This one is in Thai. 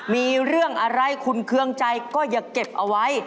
มีเรื่องอะไรคุณเครื่องใจก็อย่าเก็บเอาไว้